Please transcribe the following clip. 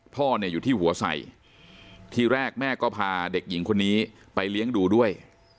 พ่อเนี่ยอยู่ที่หัวใส่ทีแรกแม่ก็พาเด็กหญิงคนนี้ไปเลี้ยงดูด้วย